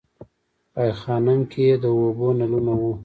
په ای خانم کې د اوبو نلونه وو